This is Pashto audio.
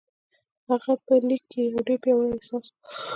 د هغه په ليک کې يو ډېر پياوړی احساس و.